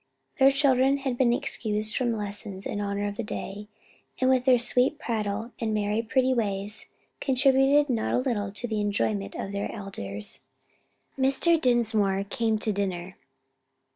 Their children had been excused from lessons in honor of the day, and with their sweet prattle, and merry pretty ways, contributed not a little to the enjoyment of their elders. Mr. Dinsmore came to dinner.